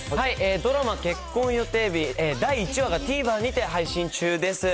ドラマ、結婚予定日、第１話がＴＶｅｒにて配信中です。